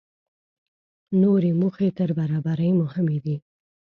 نورې موخې تر برابرۍ مهمې دي.